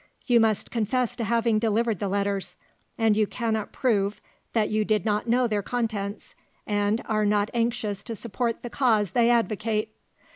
You must confess to having delivered the letters, and you cannot prove that you did not know their contents and are not anxious to support the cause they advocate.